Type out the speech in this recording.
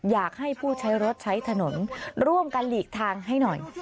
อยากให้ผู้ใช้รถใช้ถนนร่วมกันหลีกทางให้หน่อย